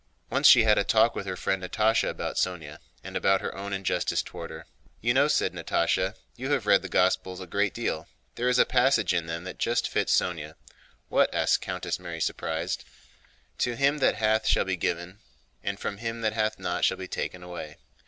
Once she had a talk with her friend Natásha about Sónya and about her own injustice toward her. "You know," said Natásha, "you have read the Gospels a great deal—there is a passage in them that just fits Sónya." "What?" asked Countess Mary, surprised. "'To him that hath shall be given, and from him that hath not shall be taken away.